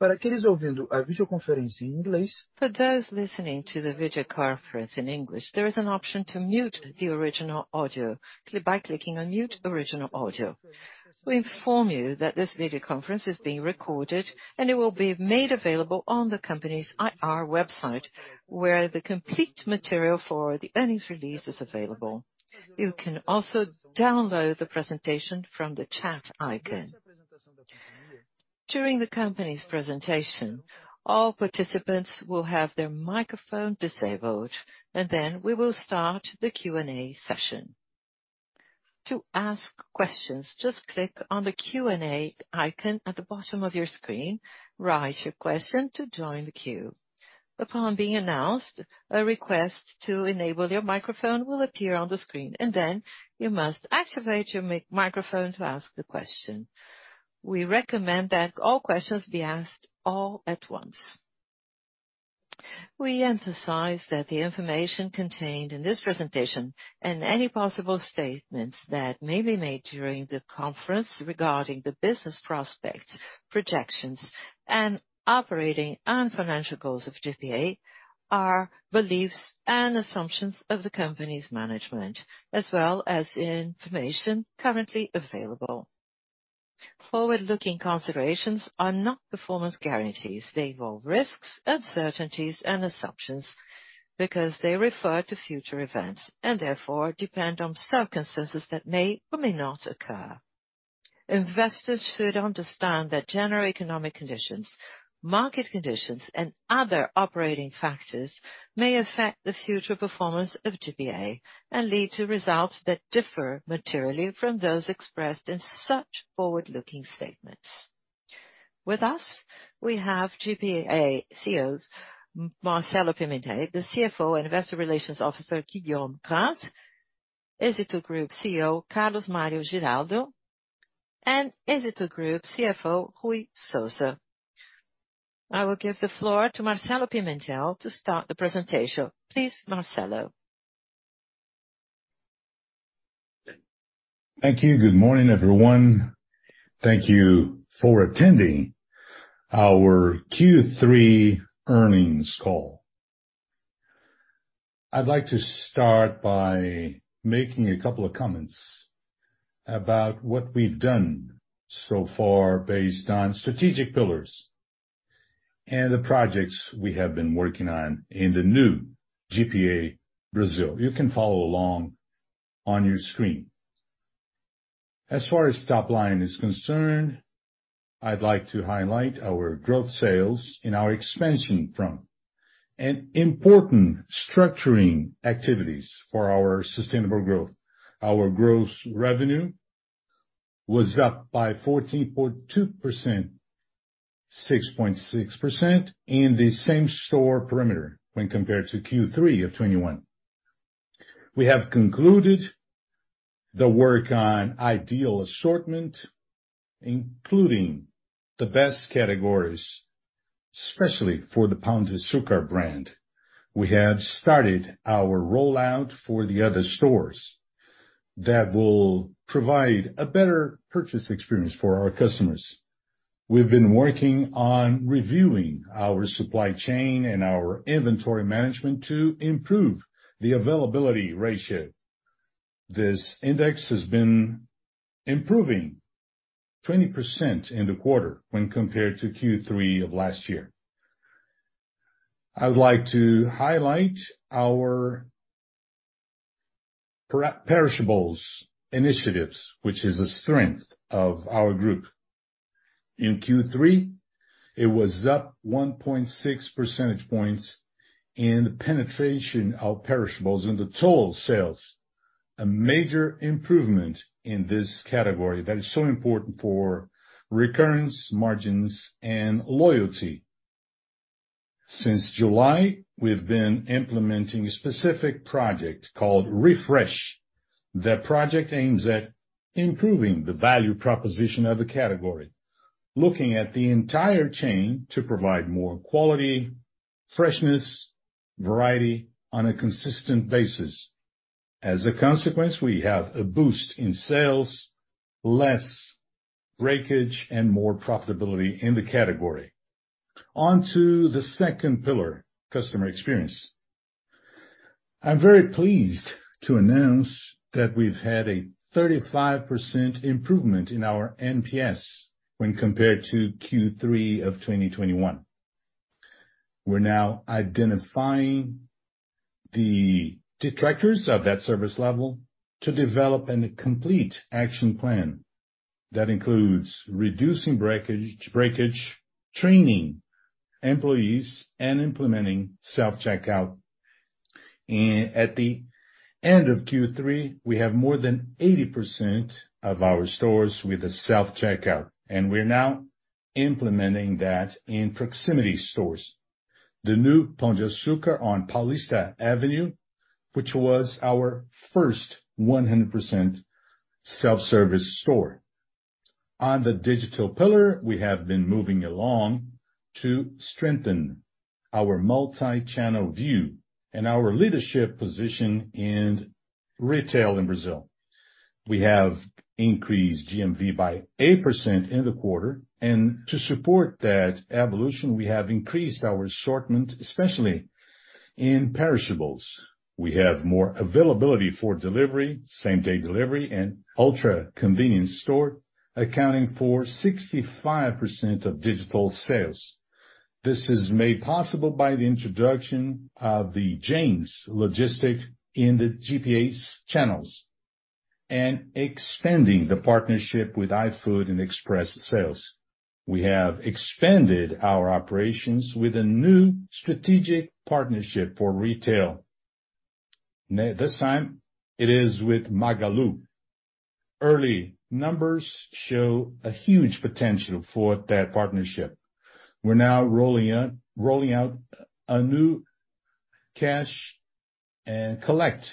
For those listening to the video conference in English, there is an option to mute the original audio by clicking on Mute Original Audio. We inform you that this video conference is being recorded, and it will be made available on the company's IR website, where the complete material for the earnings release is available. You can also download the presentation from the chat icon. During the company's presentation, all participants will have their microphone disabled, and then we will start the Q&A session. To ask questions, just click on the Q&A icon at the bottom of your screen. Write your question to join the queue. Upon being announced, a request to enable your microphone will appear on the screen, and then you must activate your microphone to ask the question. We recommend that all questions be asked all at once. We emphasize that the information contained in this presentation and any possible statements that may be made during the conference regarding the business prospects, projections, and operating and financial goals of GPA are beliefs and assumptions of the company's management, as well as information currently available. Forward-looking considerations are not performance guarantees. They involve risks, uncertainties, and assumptions because they refer to future events and therefore depend on circumstances that may or may not occur. Investors should understand that general economic conditions, market conditions, and other operating factors may affect the future performance of GPA and lead to results that differ materially from those expressed in such forward-looking statements. With us, we have GPA CEO Marcelo Pimentel, the CFO and Investor Relations Officer, Guillaume Gras, Grupo Éxito CEO Carlos Mario Giraldo, and Grupo Éxito CFO Ruy Souza. I will give the floor to Marcelo Pimentel to start the presentation. Please, Marcelo. Thank you. Good morning, everyone. Thank you for attending our Q3 earnings call. I'd like to start by making a couple of comments about what we've done so far based on strategic pillars and the projects we have been working on in the new GPA Brazil. You can follow along on your screen. As far as top line is concerned, I'd like to highlight our growth sales in our expansion front and important structuring activities for our sustainable growth. Our gross revenue was up by 14.2%, 6.6% in the same-store perimeter when compared to Q3 of 2021. We have concluded the work on ideal assortment, including the best categories, especially for the Pão de Açúcar brand. We have started our rollout for the other stores that will provide a better purchase experience for our customers. We've been working on reviewing our supply chain and our inventory management to improve the availability ratio. This index has been improving 20% in the quarter when compared to Q3 of last year. I would like to highlight our perishables initiatives, which is a strength of our group. In Q3, it was up 1.6 percentage points in penetration of perishables in the total sales, a major improvement in this category that is so important for recurrence, margins, and loyalty. Since July, we've been implementing a specific project called Refresh. The project aims at improving the value proposition of the category, looking at the entire chain to provide more quality, freshness, variety on a consistent basis. As a consequence, we have a boost in sales, less breakage, and more profitability in the category. On to the second pillar, customer experience. I'm very pleased to announce that we've had a 35% improvement in our NPS when compared to Q3 of 2021. We're now identifying the detractors of that service level to develop a complete action plan that includes reducing breakage, training employees and implementing self-checkout. At the end of Q3, we have more than 80% of our stores with a self-checkout, and we're now implementing that in proximity stores. The new Pão de Açúcar on Paulista Avenue, which was our first 100% self-service store. On the digital pillar, we have been moving along to strengthen our multi-channel view and our leadership position in retail in Brazil. We have increased GMV by 8% in the quarter. To support that evolution, we have increased our assortment, especially in perishables. We have more availability for delivery, same-day delivery and ultra-convenience store, accounting for 65% of digital sales. This is made possible by the introduction of the James logistics in the GPA's channels and expanding the partnership with iFood and Extra sales. We have expanded our operations with a new strategic partnership for retail. This time it is with Magalu. Early numbers show a huge potential for that partnership. We're now rolling out a new click and collect,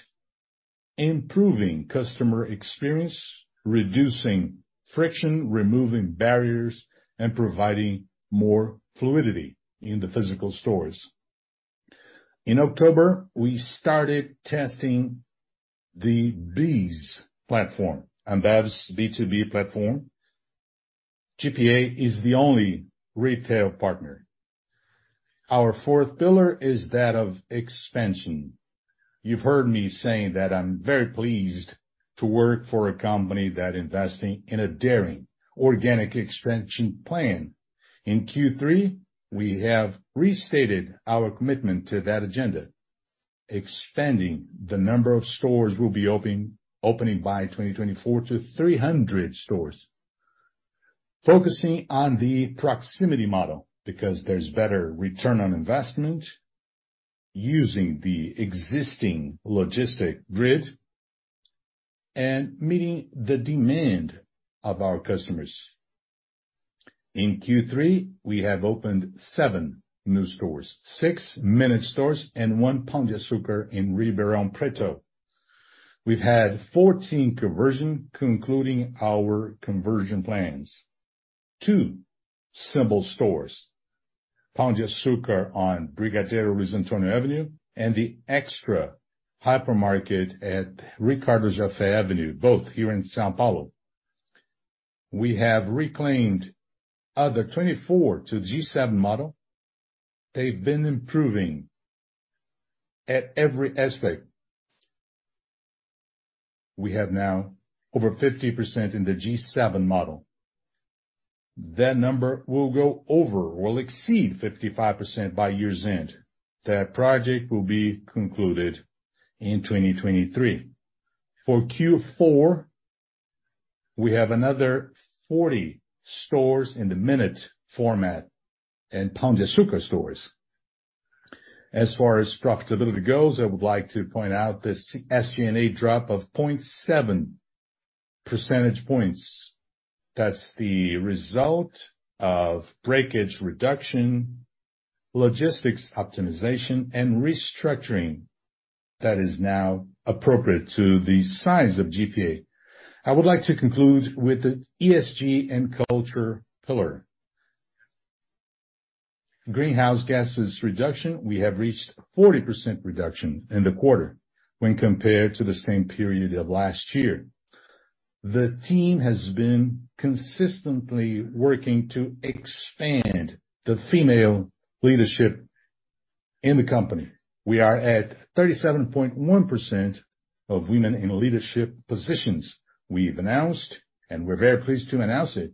improving customer experience, reducing friction, removing barriers, and providing more fluidity in the physical stores. In October, we started testing the BEES platform, Ambev's B2B platform. GPA is the only retail partner. Our fourth pillar is that of expansion. You've heard me saying that I'm very pleased to work for a company that investing in a daring organic expansion plan. In Q3, we have restated our commitment to that agenda. Expanding the number of stores will be opening by 2024 to 300 stores. Focusing on the proximity model because there's better return on investment, using the existing logistic grid and meeting the demand of our customers. In Q3, we have opened seven new stores, six Minuto stores, and one Pão de Açúcar in Ribeirão Preto. We've had 14 conversions concluding our conversion plans. Two symbol stores, Pão de Açúcar on Brigadeiro Luís Antônio Avenue and the Extra hypermarket at Ricardo Jafet Avenue, both here in São Paulo. We have converted other 24 to G7 model. They've been improving in every aspect. We have now over 50% in the G7 model. That number will go over. We'll exceed 55% by year's end. That project will be concluded in 2023. For Q4, we have another 40 stores in the Minuto format and Pão de Açúcar stores. As far as profitability goes, I would like to point out this SG&A drop of 0.7 percentage points. That's the result of breakage reduction, logistics optimization, and restructuring that is now appropriate to the size of GPA. I would like to conclude with the ESG and culture pillar. Greenhouse gases reduction, we have reached 40% reduction in the quarter when compared to the same period of last year. The team has been consistently working to expand the female leadership in the company. We are at 37.1% of women in leadership positions. We've announced, and we're very pleased to announce it,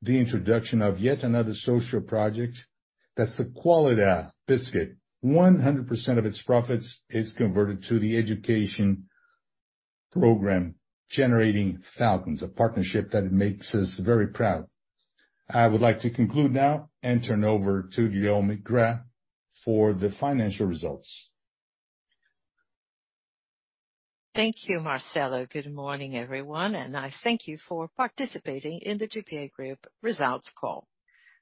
the introduction of yet another social project. That's the Qualitá Biscoito. 100% of its profits is converted to the education program, generating thousands. A partnership that makes us very proud. I would like to conclude now and turn over to Guillaume Gras for the financial results. Thank you, Marcelo. Good morning, everyone, and I thank you for participating in the GPA Group results call.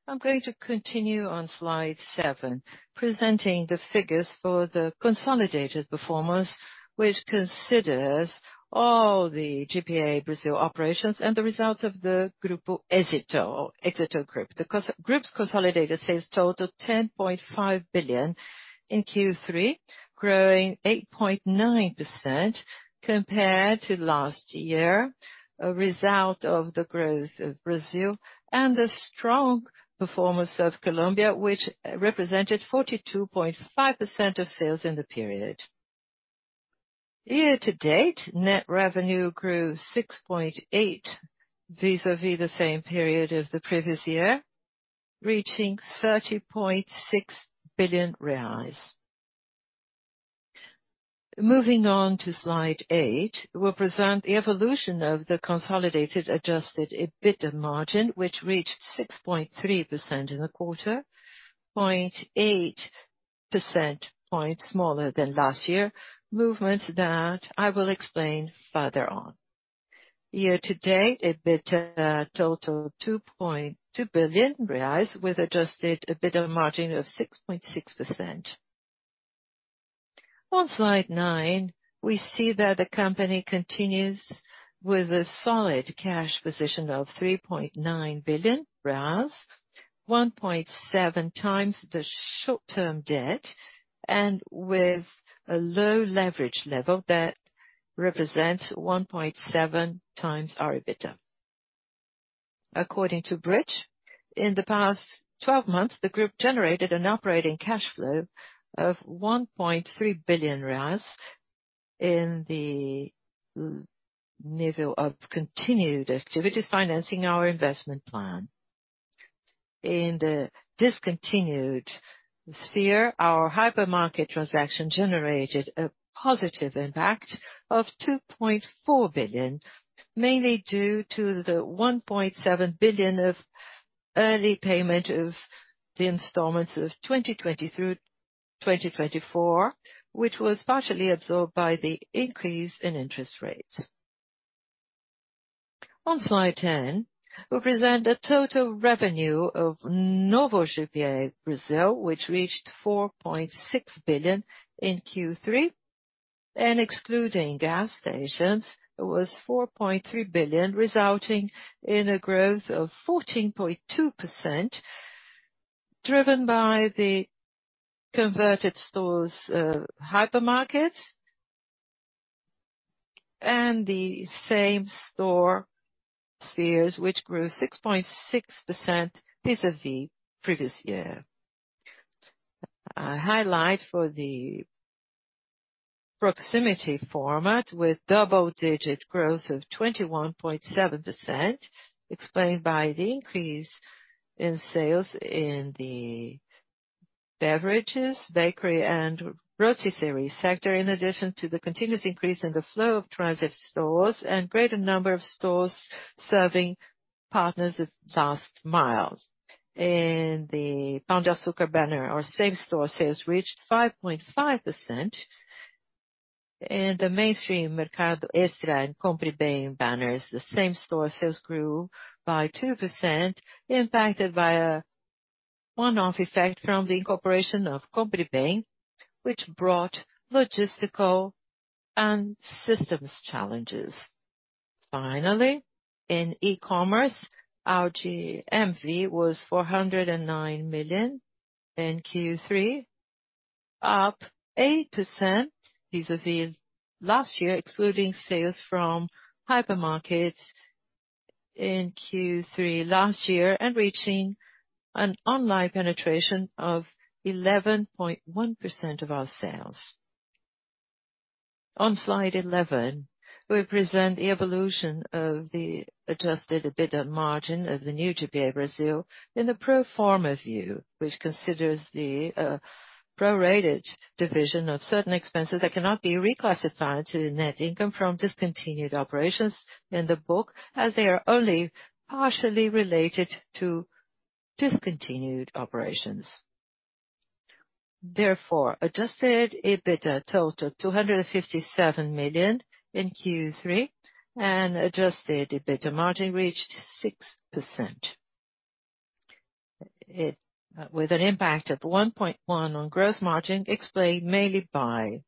I'm going to continue on slide seven, presenting the figures for the consolidated performance, which considers all the GPA Brazil operations and the results of the Grupo Éxito or Éxito Group. The group's consolidated sales totaled 10.5 billion in Q3, growing 8.9% compared to last year, a result of the growth of Brazil and the strong performance of Colombia, which represented 42.5% of sales in the period. Year to date, net revenue grew 6.8% vis-a-vis the same period of the previous year, reaching 30.6 billion reais. Moving on to slide eight, we'll present the evolution of the consolidated adjusted EBITDA margin, which reached 6.3% in the quarter, 0.8 percentage points smaller than last year. Movements that I will explain further on. Year to date, EBITDA totaled BRL 2.2 billion with adjusted EBITDA margin of 6.6%. On slide nine, we see that the company continues with a solid cash position of BRL 3.9 billion, 1.7x the short-term debt and with a low leverage level that represents 1.7x our EBITDA. According to Bridge, in the past 12 months, the group generated an operating cash flow of BRL 1.3 billion in the level of continued activities, financing our investment plan. In the discontinued sphere, our hypermarket transaction generated a positive impact of 2.4 billion, mainly due to the 1.7 billion of early payment of the installments of 2020 through 2024, which was partially absorbed by the increase in interest rates. On slide 10, we present the total revenue of Novo GPA Brazil, which reached 4.6 billion in Q3, and excluding gas stations was 4.3 billion, resulting in a growth of 14.2%, driven by the converted stores, hypermarket and the same-store sales, which grew 6.6% vis-à-vis previous year. I highlight for the proximity format with double-digit growth of 21.7%, explained by the increase in sales in the beverages, bakery and rotisserie sector. In addition to the continuous increase in the traffic flow in stores and greater number of stores serving partners of Last Mile. In the Pão de Açúcar banner, our same-store sales reached 5.5%. In the mainstream Mercado Extra and Compre Bem banners, the same-store sales grew by 2%, impacted by a one-off effect from the incorporation of Compre Bem, which brought logistical and systems challenges. Finally, in e-commerce, our GMV was 409 million in Q3, up 8% vis-a-vis last year, excluding sales from hypermarkets in Q3 last year and reaching an online penetration of 11.1% of our sales. On slide 11, we present the evolution of the adjusted EBITDA margin of the new GPA Brazil in the pro forma view, which considers the prorated division of certain expenses that cannot be reclassified to the net income from discontinued operations in the book as they are only partially related to discontinued operations. Therefore, adjusted EBITDA totaled 257 million in Q3, and adjusted EBITDA margin reached 6%. With an impact of 1.1 on gross margin, explained mainly by,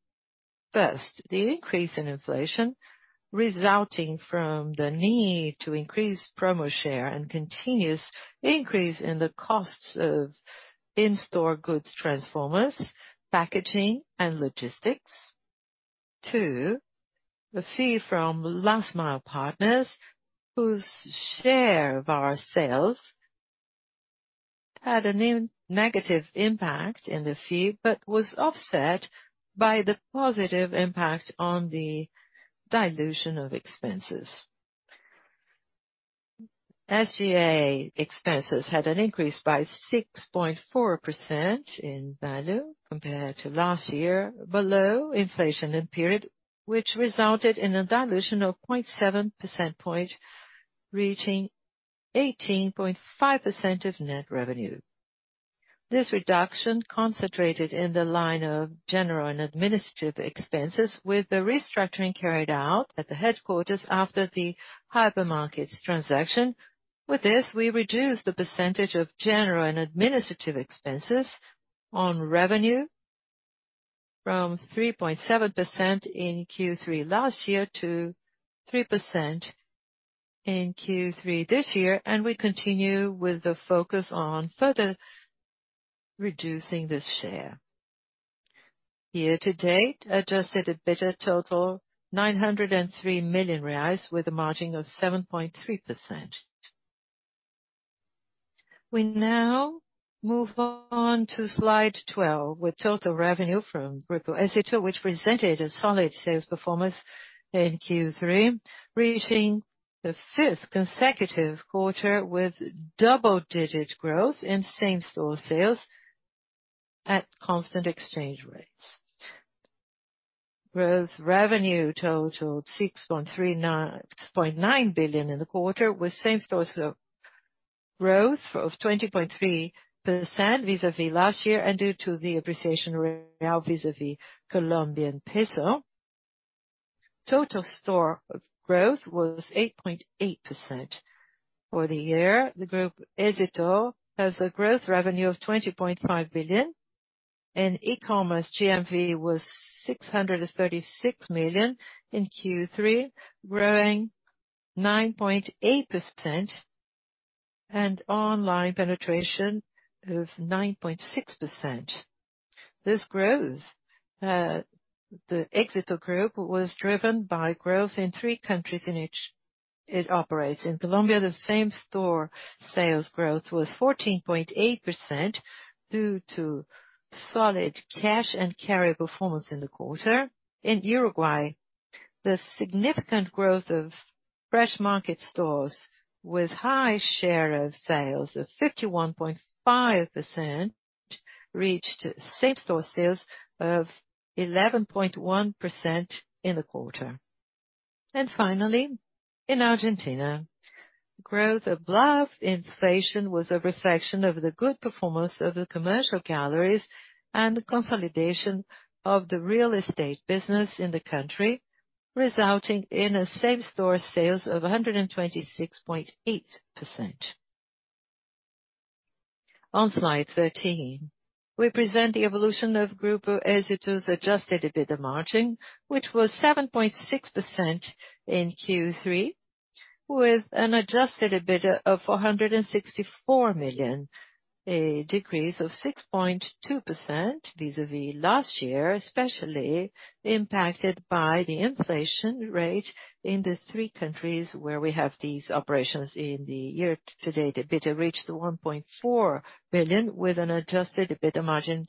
first, the increase in inflation resulting from the need to increase promo share and continuous increase in the costs of in-store goods transformers, packaging and logistics. Two, the fee from Last Mile partners whose share of our sales had a negative impact on the fee, but was offset by the positive impact on the dilution of expenses. SG&A expenses had an increase by 6.4% in value compared to last year, below inflation in the period, which resulted in a dilution of 0.7 percentage points, reaching 18.5% of net revenue. This reduction concentrated in the line of general and administrative expenses with the restructuring carried out at the headquarters after the hypermarkets transaction. With this, we reduced the percentage of general and administrative expenses on revenue from 3.7% in Q3 last year to 3% in Q3 this year, and we continue with the focus on further reducing this share. Year-to-date, adjusted EBITDA totaled 903 million reais with a margin of 7.3%. We now move on to slide 12 with total revenue from Grupo GPA, which presented a solid sales performance in Q3, reaching the fifth consecutive quarter with double-digit growth in same-store sales at constant exchange rates. Gross revenue totaled 6.9 billion in the quarter, with same-store sales growth of 20.3% vis-à-vis last year and due to the appreciation of the real vis-à-vis the Colombian peso. Total store growth was 8.8%. For the year, Grupo Éxito has a growth revenue of 20.5 billion, and e-commerce GMV was 636 million in Q3, growing 9.8%, and online penetration of 9.6%. This growth, the Grupo Éxito was driven by growth in three countries in which it operates. In Colombia, the same-store sales growth was 14.8% due to solid cash and carry performance in the quarter. In Uruguay, the significant growth of fresh market stores with high share of sales of 51.5% reached same-store sales of 11.1% in the quarter. Finally, in Argentina, growth above inflation was a reflection of the good performance of the commercial galleries and the consolidation of the real estate business in the country, resulting in a same-store sales of 126.8%. On slide 13, we present the evolution of Grupo Éxito's adjusted EBITDA margin, which was 7.6% in Q3, with an adjusted EBITDA of 464 million, a decrease of 6.2% vis-à-vis last year, especially impacted by the inflation rate in the three countries where we have these operations. In the year-to-date, EBITDA reached 1.4 billion, with an adjusted EBITDA margin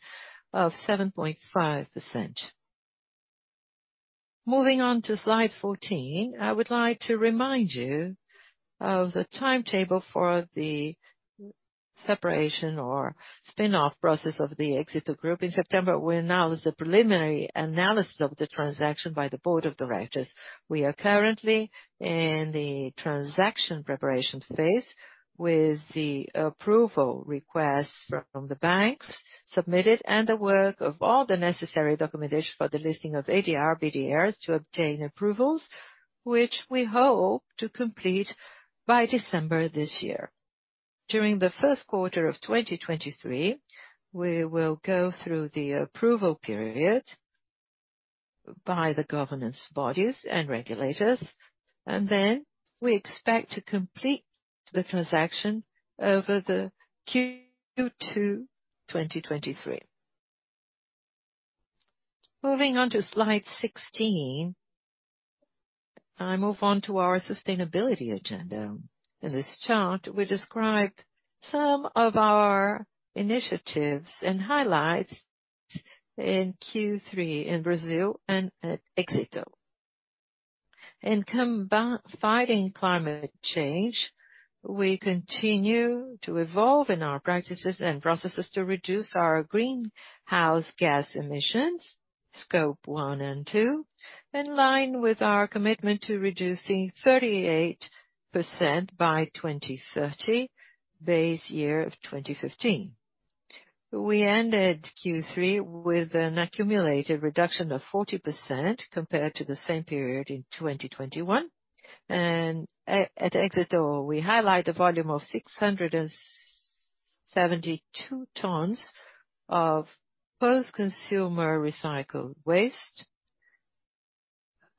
of 7.5%. Moving on to slide 14, I would like to remind you of the timetable for the separation or spin-off process of the Éxito Group. In September, we announced the preliminary analysis of the transaction by the board of directors. We are currently in the transaction preparation phase with the approval request from the banks submitted and the work of all the necessary documentation for the listing of ADR, BDRs to obtain approvals, which we hope to complete by December this year. During the first quarter of 2023, we will go through the approval period by the governance bodies and regulators, and then we expect to complete the transaction over the Q2 2023. Moving on to slide 16, I move on to our sustainability agenda. In this chart, we describe some of our initiatives and highlights in Q3 in Brazil and at Éxito. In fighting climate change, we continue to evolve in our practices and processes to reduce our greenhouse gas emissions, Scope 1 and Scope 2, in line with our commitment to reducing 38% by 2030, base year of 2015. We ended Q3 with an accumulated reduction of 40% compared to the same period in 2021. At Éxito, we highlight a volume of 672 tons of post-consumer recycled waste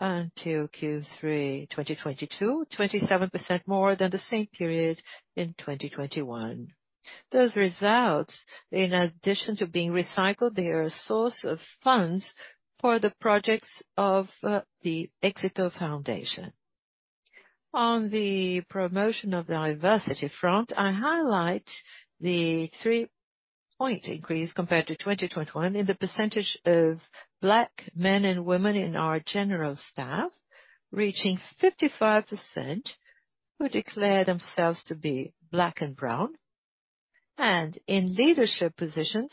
until Q3 2022, 27% more than the same period in 2021. Those results, in addition to being recycled, they are a source of funds for the projects of the Fundación Éxito. On the promotion of diversity front, I highlight the 3-point increase compared to 2021 in the percentage of Black men and women in our general staff, reaching 55% who declare themselves to be Black and Brown. In leadership positions,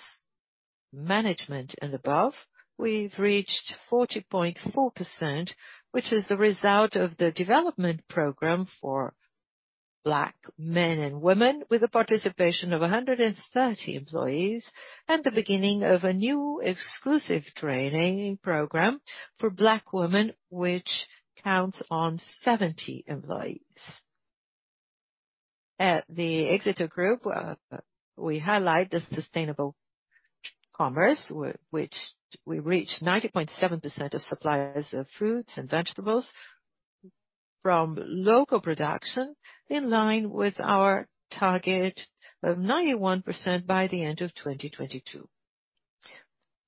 management and above, we've reached 40.4%, which is the result of the development program for Black men and women with a participation of 130 employees and the beginning of a new exclusive training program for Black women, which counts on 70 employees. At the Grupo Éxito, we highlight the sustainable commerce, which we reached 90.7% of suppliers of fruits and vegetables from local production in line with our target of 91% by the end of 2022.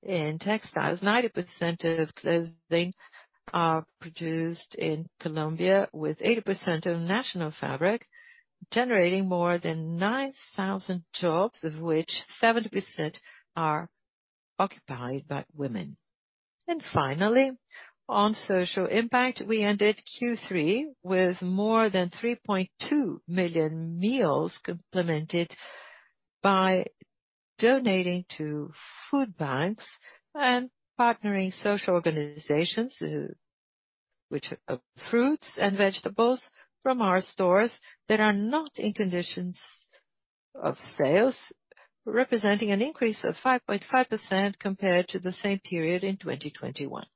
In textiles, 90% of clothing are produced in Colombia with 80% of national fabric, generating more than 9,000 jobs, of which 70% are occupied by women. Finally, on social impact, we ended Q3 with more than 3.2 million meals complemented by donating to food banks and partnering social organizations, fruits and vegetables from our stores that are not in conditions of sales, representing an increase of 5.5% compared to the same period in 2021.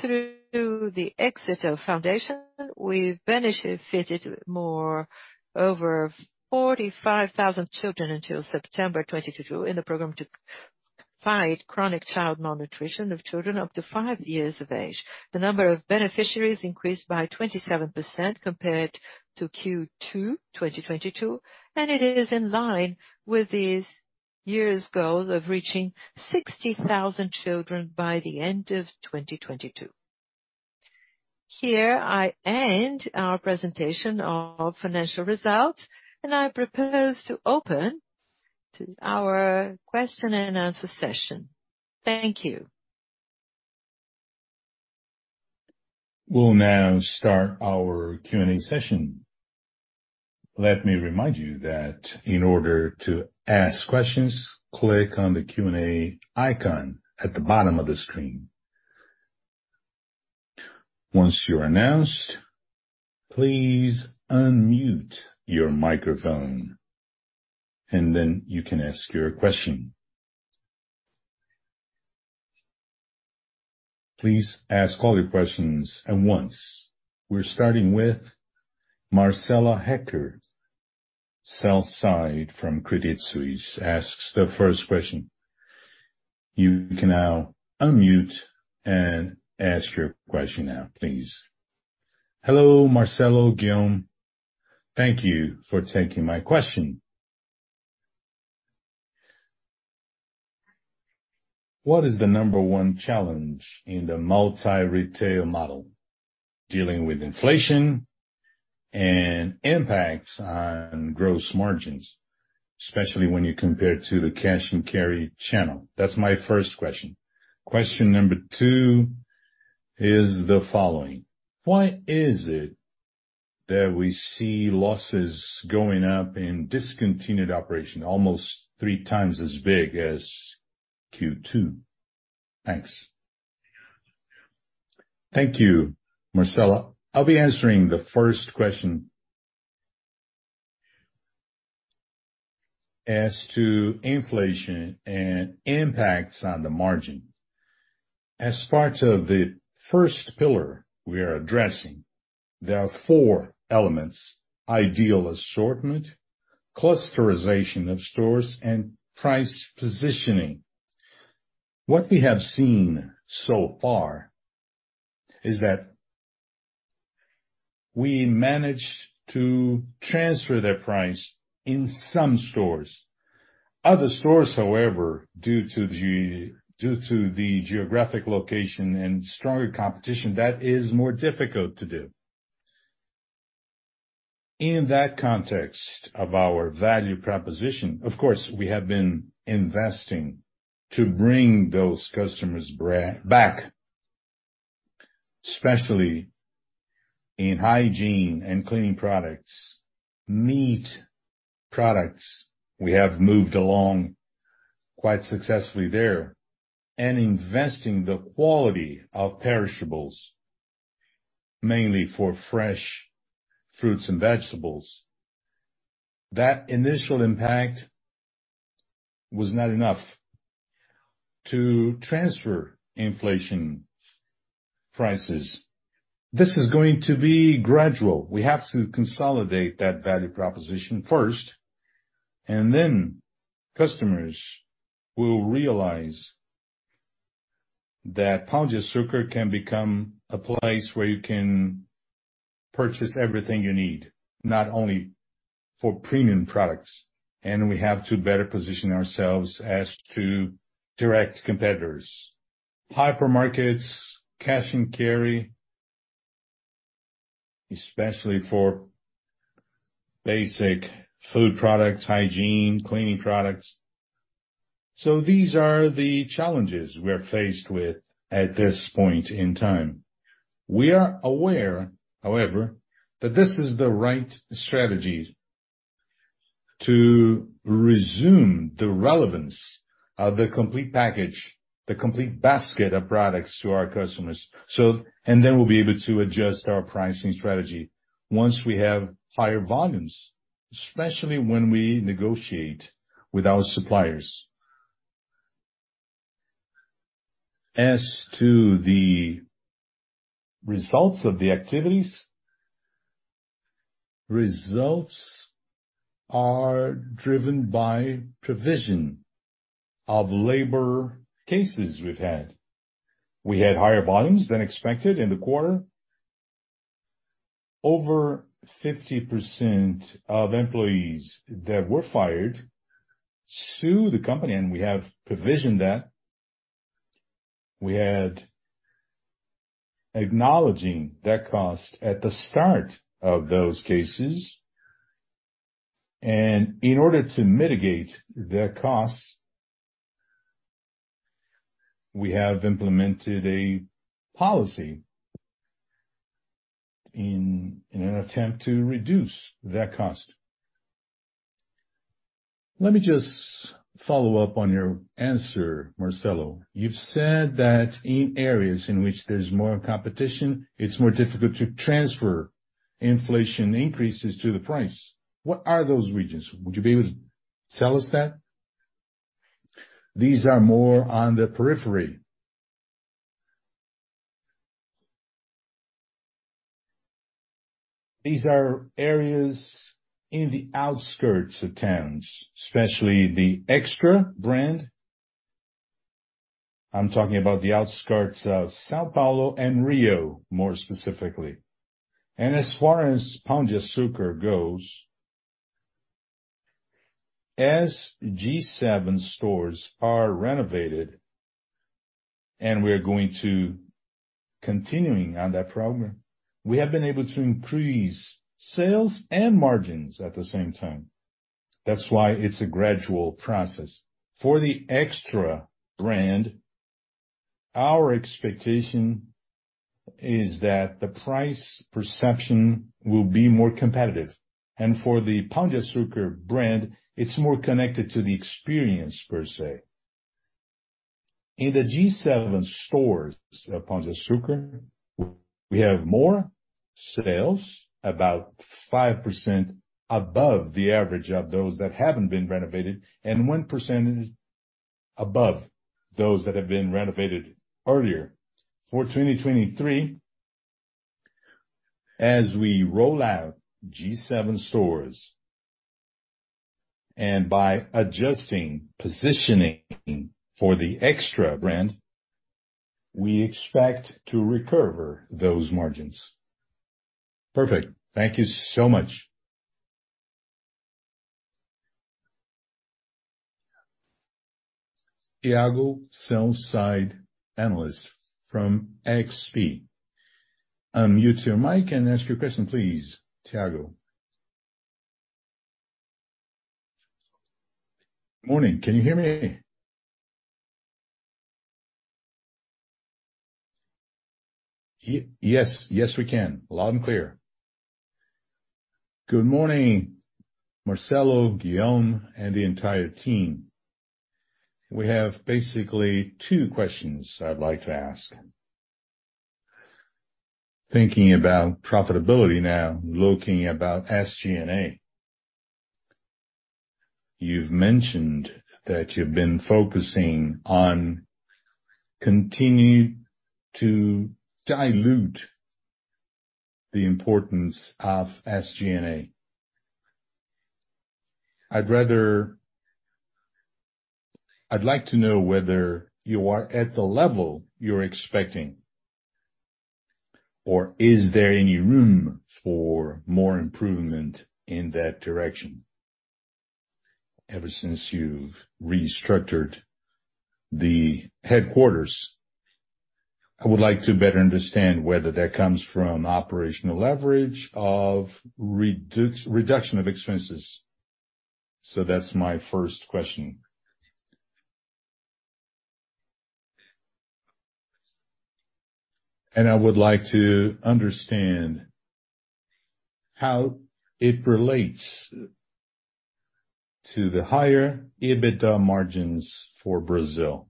Through the Fundación Éxito, we benefited more than 45,000 children until September 2022 in the program to fight chronic child malnutrition of children up to five years of age. The number of beneficiaries increased by 27% compared to Q2 2022, and it is in line with this year's goal of reaching 60,000 children by the end of 2022. Here, I end our presentation of financial results, and I propose to open to our question and answer session. Thank you. We'll now start our Q&A session. Let me remind you that in order to ask questions, click on the Q&A icon at the bottom of the screen. Once you're announced, please unmute your microphone, and then you can ask your question. Please ask all your questions at once. We're starting with Marcelo Hecker from Credit Suisse. He asks the first question. You can now unmute and ask your question now, please. Hello, Marcelo, Guillaume. Thank you for taking my question. What is the number one challenge in the multi-retail model dealing with inflation and impacts on gross margins, especially when you compare to the cash and carry channel? That's my first question. Question number two is the following. Why is it that we see losses going up in discontinued operation almost 3x as big as Q2? Thanks. Thank you, Marcelo. I'll be answering the first question. As to inflation and impacts on the margin. As part of the first pillar we are addressing, there are four elements, ideal assortment, clusterization of stores, and price positioning. What we have seen so far is that we managed to transfer the price in some stores. Other stores, however, due to the geographic location and stronger competition, that is more difficult to do. In that context of our value proposition, of course, we have been investing to bring those customers back, especially in hygiene and cleaning products, meat products. We have moved along quite successfully there. Investing in the quality of perishables, mainly for fresh fruits and vegetables. That initial impact was not enough to transfer inflation prices. This is going to be gradual. We have to consolidate that value proposition first, and then customers will realize that Pão de Açúcar can become a place where you can purchase everything you need, not only for premium products. We have to better position ourselves as to direct competitors, hypermarkets, cash and carry, especially for basic food products, hygiene, cleaning products. These are the challenges we're faced with at this point in time. We are aware, however, that this is the right strategy to resume the relevance of the complete package, the complete basket of products to our customers. We'll be able to adjust our pricing strategy once we have higher volumes, especially when we negotiate with our suppliers. As to the results of the activities, results are driven by provision of labor cases we've had. We had higher volumes than expected in the quarter. Over 50% of employees that were fired sued the company, and we have provisioned that. Acknowledging that cost at the start of those cases. In order to mitigate that cost, we have implemented a policy in an attempt to reduce that cost. Let me just follow up on your answer, Marcelo. You've said that in areas in which there's more competition, it's more difficult to transfer inflation increases to the price. What are those regions? Would you be able to tell us that? These are more on the periphery. These are areas in the outskirts of towns, especially the Extra brand. I'm talking about the outskirts of São Paulo and Rio, more specifically. As far as Pão de Açúcar goes, as G7 stores are renovated, and we are going to continuing on that program, we have been able to increase sales and margins at the same time. That's why it's a gradual process. For the Extra brand, our expectation is that the price perception will be more competitive. For the Pão de Açúcar brand, it's more connected to the experience per se. In the G7 stores of Pão de Açúcar, we have more sales, about 5% above the average of those that haven't been renovated, and 1% above those that have been renovated earlier. For 2023, as we roll out G7 stores and by adjusting positioning for the Extra brand, we expect to recover those margins. Perfect. Thank you so much. Thiago Celso, analyst from XP. Unmute your mic and ask your question, please, Thiago. Morning. Can you hear me? Yes. Yes, we can. Loud and clear. Good morning, Marcelo, Guillaume, and the entire team. We have basically two questions I'd like to ask. Thinking about profitability now, looking about SG&A. You've mentioned that you've been focusing on continue to dilute the importance of SG&A. I'd like to know whether you are at the level you're expecting, or is there any room for more improvement in that direction ever since you've restructured the headquarters. I would like to better understand whether that comes from operational leverage of reduction of expenses. So that's my first question. I would like to understand how it relates to the higher EBITDA margins for Brazil.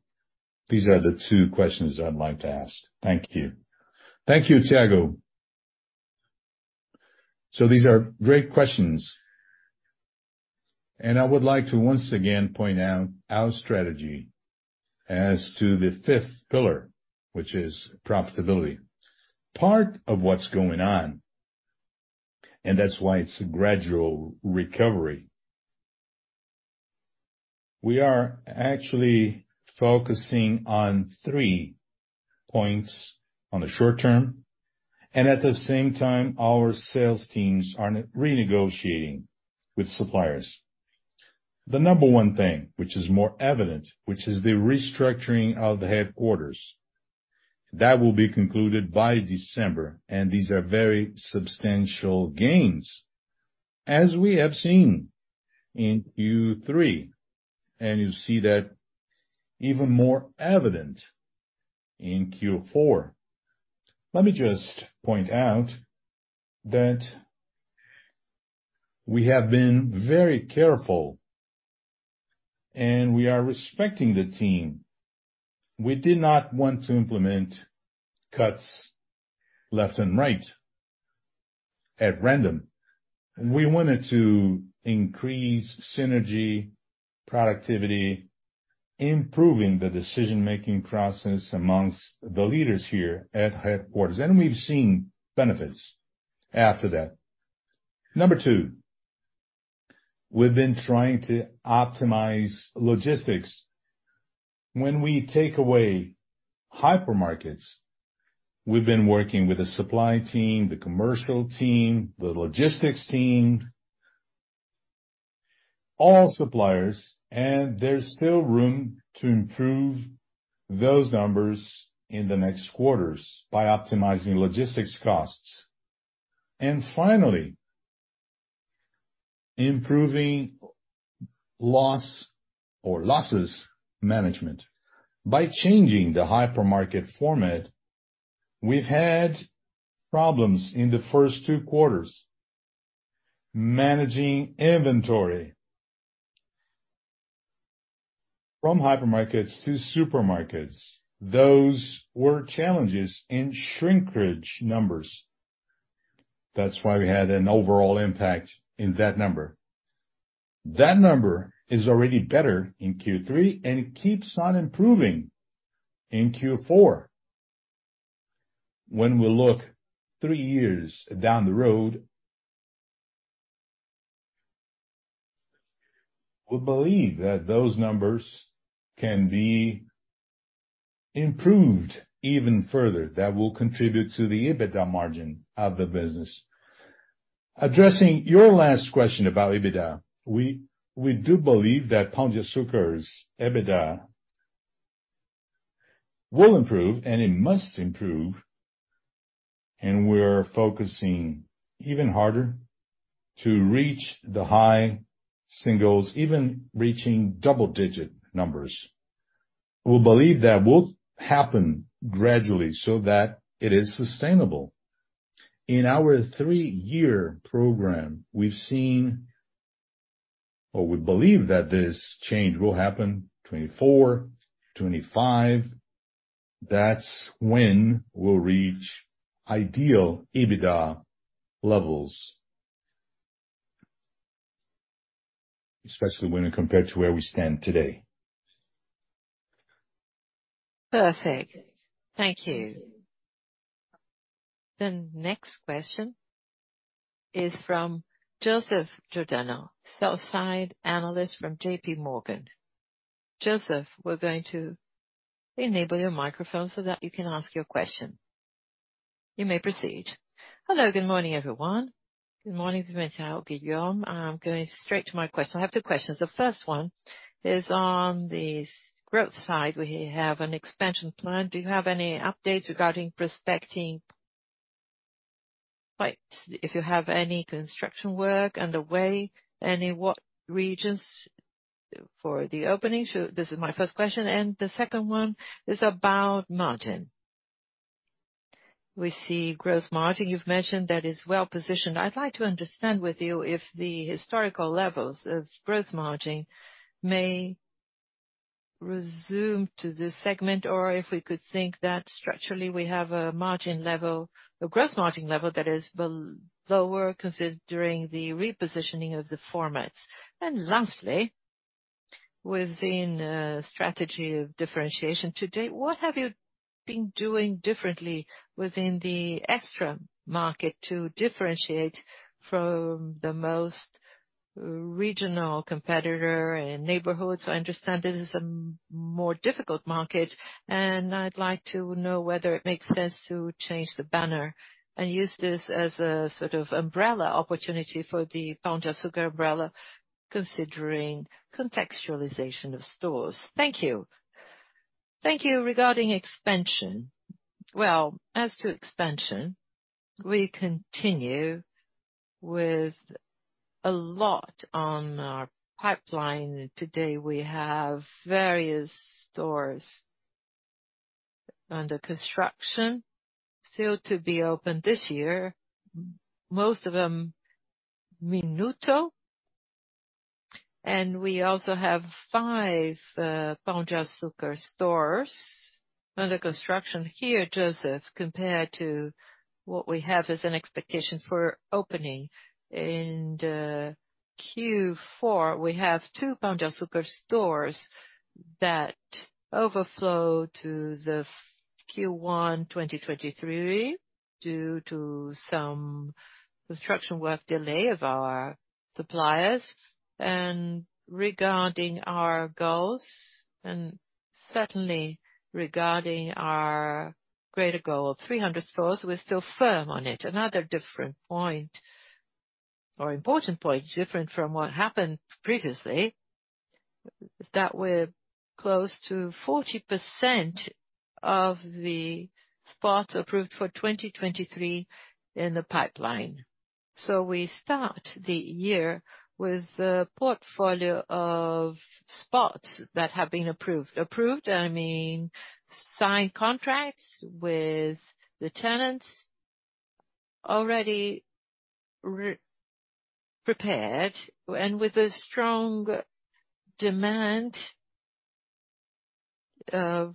These are the two questions I'd like to ask. Thank you. Thank you, Thiago. These are great questions, and I would like to once again point out our strategy as to the fifth pillar, which is profitability. Part of what's going on, and that's why it's a gradual recovery, we are actually focusing on three points on the short term, and at the same time, our sales teams are renegotiating with suppliers. The number one thing, which is more evident, which is the restructuring of the headquarters. That will be concluded by December, and these are very substantial gains, as we have seen in Q3, and you see that even more evident in Q4. Let me just point out that we have been very careful, and we are respecting the team. We did not want to implement cuts left and right at random. We wanted to increase synergy, productivity, improving the decision-making process among the leaders here at headquarters, and we've seen benefits after that. Number two, we've been trying to optimize logistics. When we take away hypermarkets, we've been working with the supply team, the commercial team, the logistics team, all suppliers, and there's still room to improve those numbers in the next quarters by optimizing logistics costs. Finally, improving loss or losses management. By changing the hypermarket format, we've had problems in the first two quarters managing inventory. From hypermarkets to supermarkets, those were challenges in shrinkage numbers. That's why we had an overall impact in that number. That number is already better in Q3 and keeps on improving in Q4. When we look three years down the road, we believe that those numbers can be improved even further. That will contribute to the EBITDA margin of the business. Addressing your last question about EBITDA, we do believe that Pão de Açúcar's EBITDA will improve, and it must improve, and we're focusing even harder to reach the high singles, even reaching double digit numbers. We believe that will happen gradually so that it is sustainable. In our three-year program, we've seen or we believe that this change will happen 2024, 2025. That's when we'll reach ideal EBITDA levels. Especially when compared to where we stand today. Perfect. Thank you. The next question is from Joseph Giordano, sell-side analyst from JPMorgan. Joseph, we're going to enable your microphone so that you can ask your question. You may proceed. Hello. Good morning, everyone. Good morning, Vincent, Guillaume. I'm going straight to my question. I have two questions. The first one is on the growth side, where you have an expansion plan. Do you have any updates regarding prospecting? Like, if you have any construction work underway? What regions for the opening? So this is my first question, and the second one is about margin. We see gross margin you've mentioned that is well-positioned. I'd like to understand with you if the historical levels of growth margin may resume to this segment or if we could think that structurally we have a growth margin level that is below considering the repositioning of the formats. Lastly, within strategy of differentiation to date, what have you been doing differently within the Extra market to differentiate from the main regional competitor in neighborhoods? I understand this is a more difficult market, and I'd like to know whether it makes sense to change the banner and use this as a sort of umbrella opportunity for the Pão de Açúcar umbrella, considering contextualization of stores. Thank you. Thank you regarding expansion. Well, as to expansion, we continue with a lot on our pipeline today. We have various stores under construction still to be opened this year, most of them Minuto. We also have five Pão de Açúcar stores under construction here, Joseph, compared to what we have as an expectation for opening. In the Q4, we have two Pão de Açúcar stores that overflow to the Q1, 2023 due to some construction work delay of our suppliers. Regarding our goals, and certainly regarding our greater goal of 300 stores, we're still firm on it. Another different point or important point, different from what happened previously, is that we're close to 40% of the spots approved for 2023 in the pipeline. We start the year with a portfolio of spots that have been approved. Approved, I mean, signed contracts with the tenants already re-prepared and with a strong demand of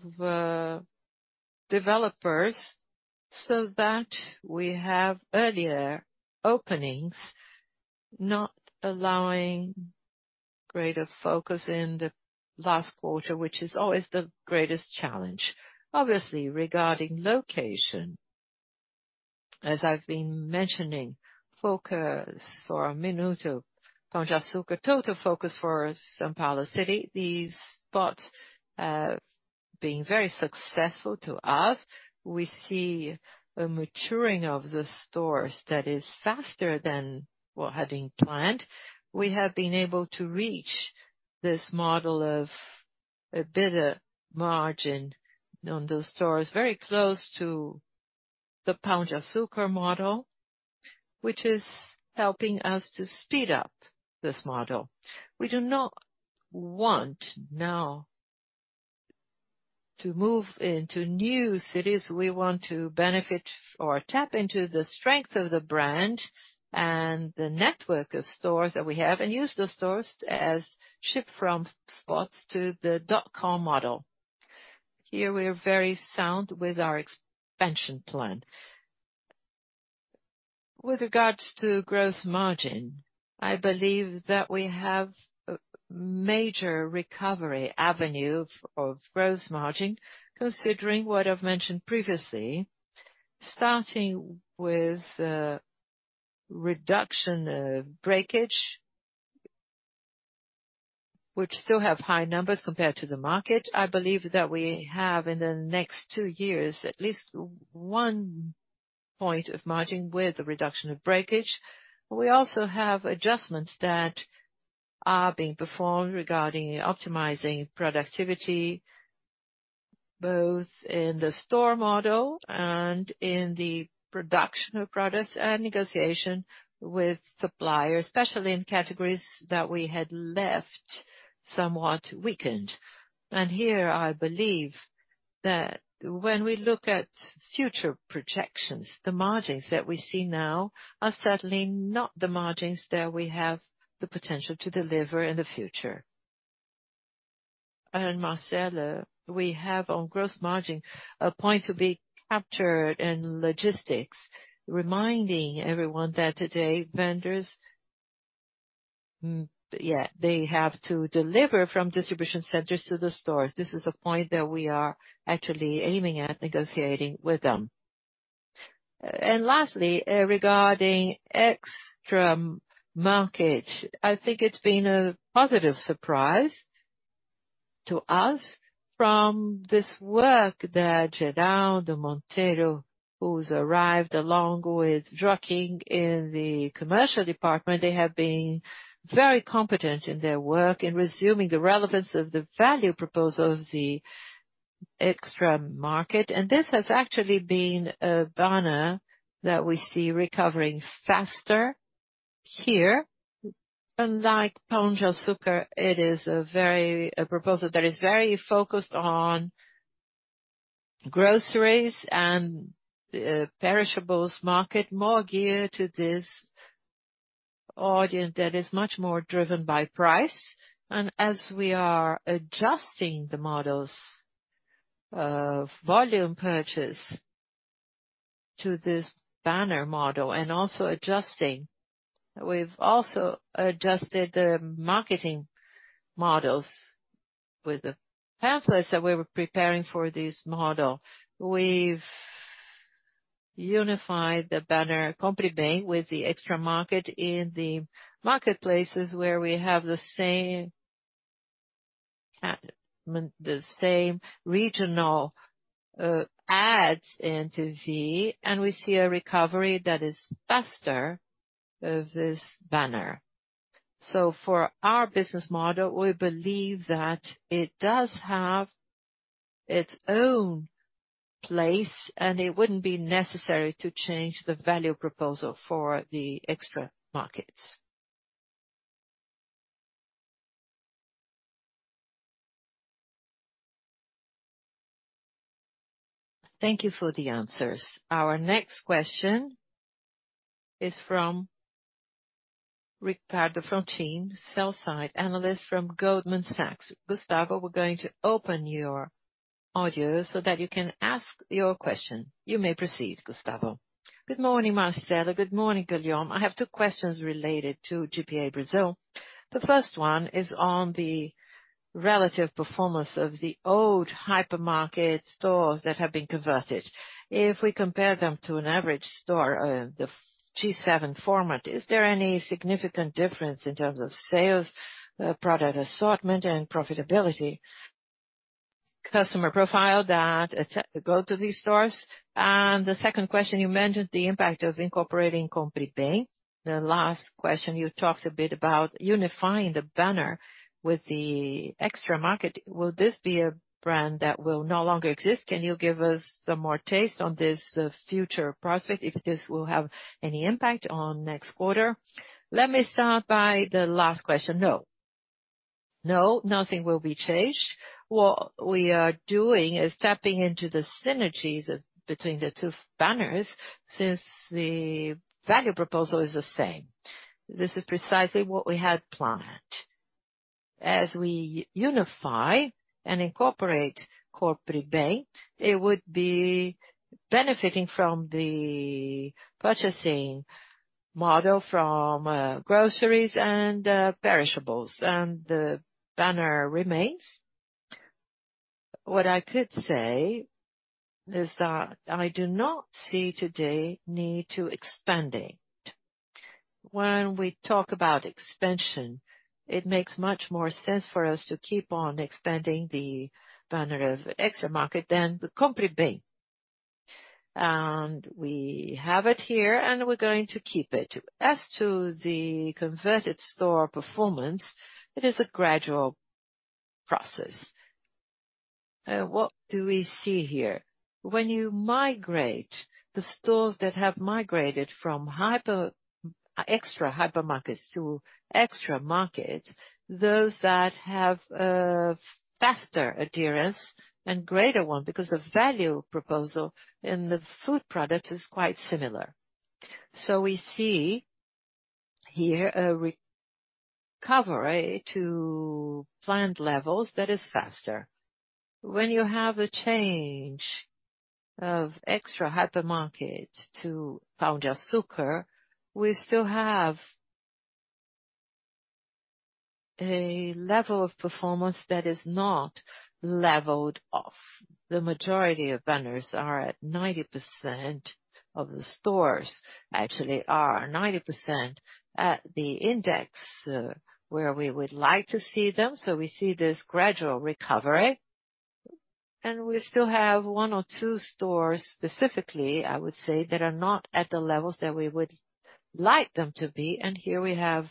developers so that we have earlier openings, not allowing greater focus in the last quarter, which is always the greatest challenge. Obviously, regarding location, as I've been mentioning, focus for Minuto Pão de Açúcar, total focus for São Paulo City. These spots, being very successful to us. We see a maturing of the stores that is faster than what had been planned. We have been able to reach this model of a better margin on those stores, very close to the Pão de Açúcar model, which is helping us to speed up this model. We do not want now to move into new cities. We want to benefit or tap into the strength of the brand and the network of stores that we have and use the stores as ship from spots to the dot-com model. Here we're very sound with our expansion plan. With regards to gross margin, I believe that we have major recovery avenue of gross margin, considering what I've mentioned previously, starting with the reduction of breakage, which still have high numbers compared to the market. I believe that we have, in the next two years, at least 1 point of margin with the reduction of breakage. We also have adjustments that are being performed regarding optimizing productivity, both in the store model and in the production of products and negotiation with suppliers, especially in categories that we had left somewhat weakened. Here I believe that when we look at future projections, the margins that we see now are certainly not the margins that we have the potential to deliver in the future. Marcelo, we have on gross margin a point to be captured in logistics, reminding everyone that today vendors, they have to deliver from distribution centers to the stores. This is a point that we are actually aiming at negotiating with them. Lastly, regarding Mercado Extra, I think it's been a positive surprise to us from this work that Geraldo Monteiro, who's arrived along with Joaquim in the commercial department. They have been very competent in their work in resuming the relevance of the value proposition of the Mercado Extra, and this has actually been a banner that we see recovering faster here. Unlike Pão de Açúcar, it is a proposal that is very focused on groceries and perishables market, more geared to this audience that is much more driven by price. As we are adjusting the models of volume purchase to this banner model and also adjusting, we've also adjusted the marketing models with the pamphlets that we were preparing for this model. We've unified the banner Compre Bem with the Mercado Extra in the marketplaces where we have the same regional ads in those, and we see a recovery that is faster of this banner. For our business model, we believe that it does have its own place and it wouldn't be necessary to change the value proposition for the Extra markets. Thank you for the answers. Our next question is from Gustavo Fratini, sell-side analyst from Goldman Sachs. Gustavo, we're going to open your audio so that you can ask your question. You may proceed, Gustavo. Good morning, Marcelo. Good morning, Guillaume. I have two questions related to GPA Brazil. The first one is on the relative performance of the old hypermarket stores that have been converted. If we compare them to an average store, the G7 format, is there any significant difference in terms of sales, product assortment and profitability, customer profile that go to these stores? The second question, you mentioned the impact of incorporating Compre Bem. The last question, you talked a bit about unifying the banner with the Mercado Extra. Will this be a brand that will no longer exist? Can you give us some more taste on this future prospect, if this will have any impact on next quarter? Let me start by the last question. No. No, nothing will be changed. What we are doing is tapping into the synergies between the two banners since the value proposal is the same. This is precisely what we had planned. As we unify and incorporate corporate banner, it would be benefiting from the purchasing model from groceries and perishables. The banner remains. What I could say is that I do not see today need to expand it. When we talk about expansion, it makes much more sense for us to keep on expanding the banner of Mercado Extra than the Compre Bem. We have it here, and we're going to keep it. As to the converted store performance, it is a gradual process. What do we see here? When you migrate the stores that have migrated from Extra hypermarkets to Mercado Extra, those that have faster adherence and greater one, because the value proposition in the food product is quite similar. We see here a recovery to planned levels that is faster. When you have a change of Extra hypermarket to Pão de Açúcar, we still have a level of performance that is not leveled off. The majority of banners are at 90% of the stores, actually are 90% at the index, where we would like to see them. We see this gradual recovery. We still have one or two stores, specifically, I would say, that are not at the levels that we would like them to be. Here we have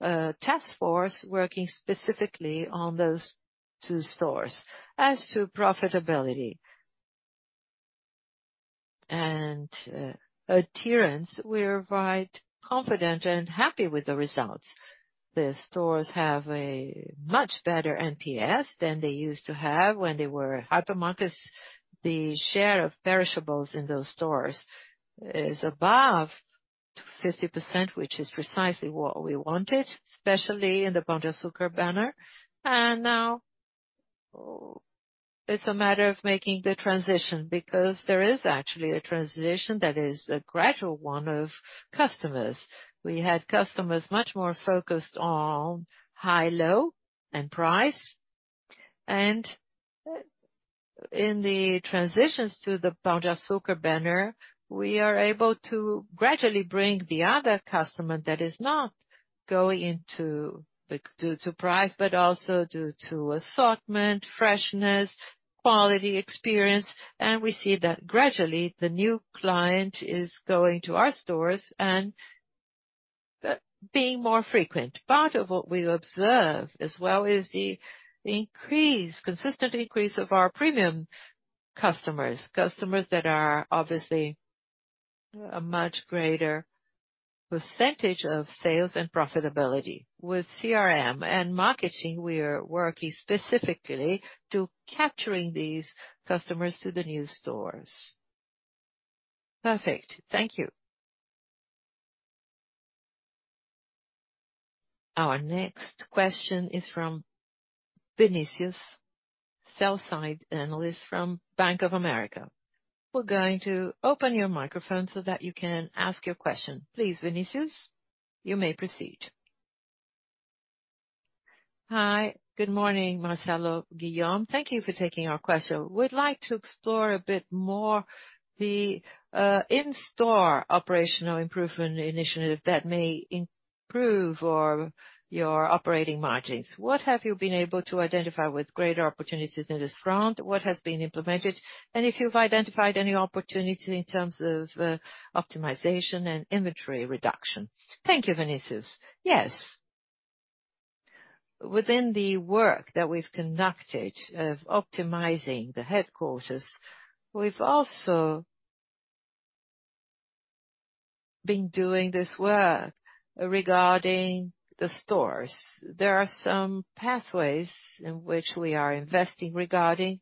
a task force working specifically on those two stores. As to profitability and adherence, we're quite confident and happy with the results. The stores have a much better NPS than they used to have when they were hypermarkets. The share of perishables in those stores is above 50%, which is precisely what we wanted, especially in the Pão de Açúcar banner. Now it's a matter of making the transition, because there is actually a transition that is a gradual one of customers. We had customers much more focused on high low and price. In the transitions to the Pão de Açúcar banner, we are able to gradually bring the other customer that is not going in due to price, but also due to assortment, freshness, quality, experience. We see that gradually the new client is going to our stores and being more frequent. Part of what we observe as well is the increase, consistent increase of our premium customers. Customers that are obviously a much greater percentage of sales and profitability. With CRM and marketing, we are working specifically to capturing these customers to the new stores. Perfect. Thank you. Our next question is from Vinicius, sell-side analyst from Bank of America. We're going to open your microphone so that you can ask your question. Please, Vinicius, you may proceed. Hi, good morning, Marcelo, Guillaume. Thank you for taking our question. We'd like to explore a bit more the in-store operational improvement initiative that may improve your operating margins. What have you been able to identify with greater opportunities in this front? What has been implemented? If you've identified any opportunities in terms of optimization and inventory reduction. Thank you, Vinicius. Yes. Within the work that we've conducted of optimizing the headquarters, we've also been doing this work regarding the stores. There are some pathways in which we are investing regarding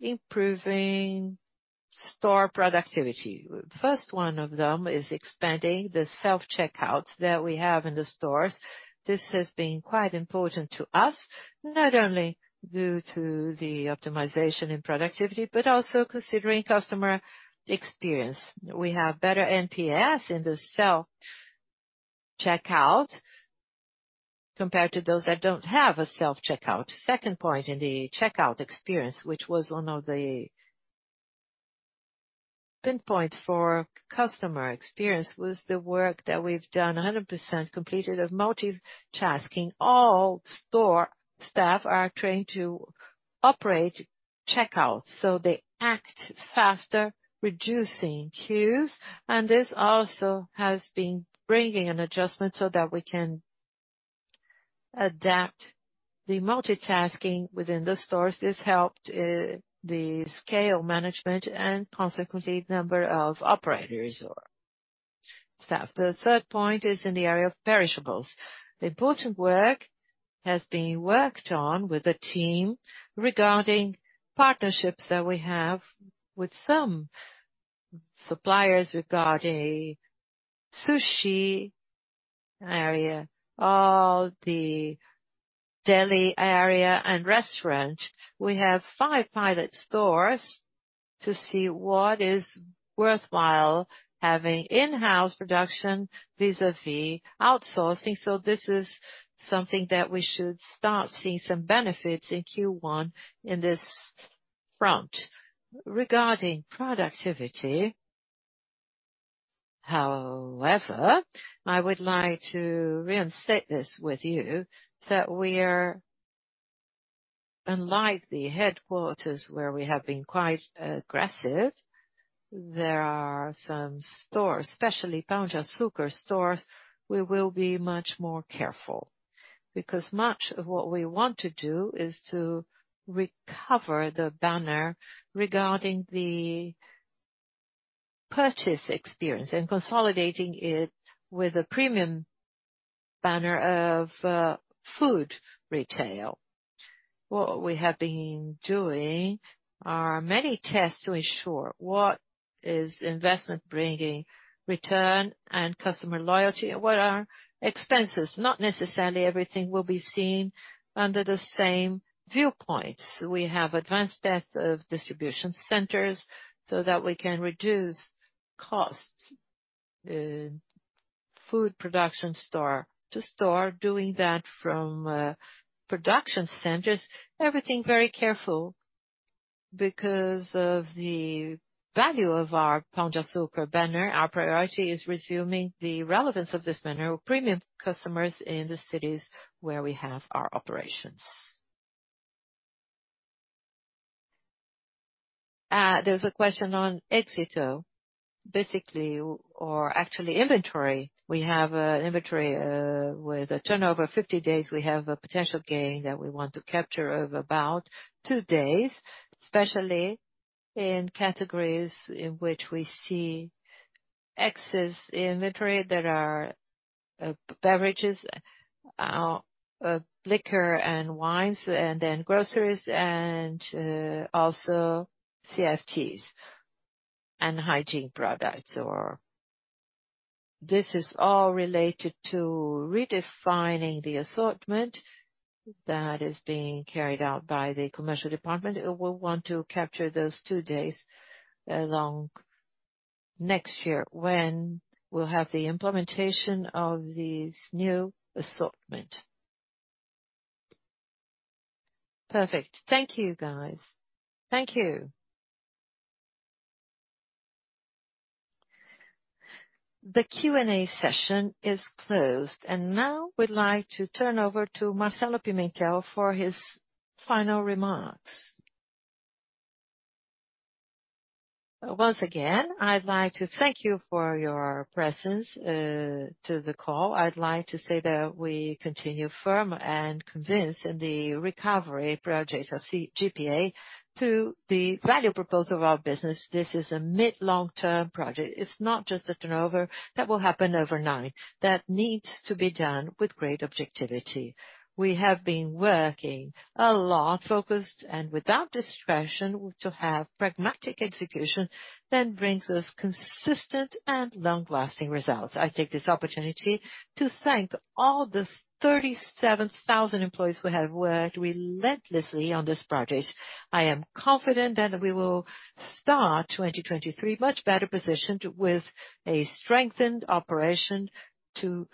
improving store productivity. First one of them is expanding the self-checkouts that we have in the stores. This has been quite important to us, not only due to the optimization in productivity, but also considering customer experience. We have better NPS in the self-checkout compared to those that don't have a self-checkout. Second point in the checkout experience, which was one of the pain points for customer experience, was the work that we've done, 100% completed of multitasking. All store staff are trained to operate checkouts, so they act faster, reducing queues. This also has been bringing an adjustment so that we can adapt the multitasking within the stores. This helped the staff management and consequently number of operators or staff. The third point is in the area of perishables. Important work has been worked on with the team regarding partnerships that we have with some suppliers regarding sushi area, the deli area and restaurant. We have five pilot stores to see what is worthwhile having in-house production vis-à-vis outsourcing. This is something that we should start seeing some benefits in Q1 in this front. Regarding productivity, however, I would like to reiterate this with you, that we're unlike the headquarters where we have been quite aggressive. There are some stores, especially Pão de Açúcar stores, we will be much more careful, because much of what we want to do is to recover the banner regarding the purchase experience and consolidating it with a premium banner of food retail. What we have been doing are many tests to ensure what is investment bringing return and customer loyalty, and what are expenses. Not necessarily everything will be seen under the same viewpoints. We have advanced the development of distribution centers so that we can reduce costs. Food production store to store, doing that from production centers. Everything very careful because of the value of our Pão de Açúcar banner. Our priority is resuming the relevance of this banner with premium customers in the cities where we have our operations. There's a question on Éxito. Inventory. We have inventory with a turnover of 50 days. We have a potential gain that we want to capture of about two days, especially in categories in which we see excess inventory that are beverages, liquor and wines, and then groceries, and also CFTs and hygiene products. This is all related to redefining the assortment that is being carried out by the commercial department. It will want to capture those two days along next year when we'll have the implementation of these new assortment. Perfect. Thank you, guys. Thank you. The Q&A session is closed. Now we'd like to turn over to Marcelo Pimentel for his final remarks. Once again, I'd like to thank you for your presence to the call. I'd like to say that we continue firm and convinced in the recovery project of GPA to the value proposition of our business. This is a mid- to long-term project. It's not just a turnover that will happen overnight. That needs to be done with great objectivity. We have been working a lot, focused and without distraction, to have pragmatic execution that brings us consistent and long-lasting results. I take this opportunity to thank all the 37,000 employees who have worked relentlessly on this project. I am confident that we will start 2023 much better positioned with a strengthened operation to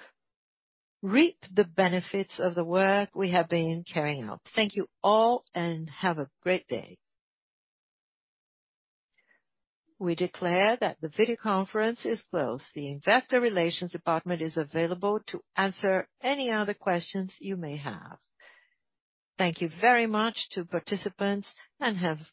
reap the benefits of the work we have been carrying out. Thank you all, and have a great day. We declare that the video conference is closed. The investor relations department is available to answer any other questions you may have. Thank you very much to participants, and have a great day.